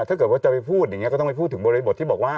ถ้าเกิดว่าจะไปพูดอย่างนี้ก็ต้องไปพูดถึงบริบทที่บอกว่า